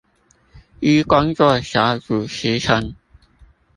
依工作小組時程